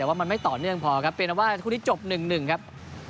แต่ว่ามันไม่ต่อเนื่องพอครับเป็นว่าคู่นี้จบหนึ่งหนึ่งครับ